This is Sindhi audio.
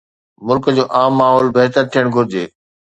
ملڪ جو عام ماحول بهتر ٿيڻ گهرجي.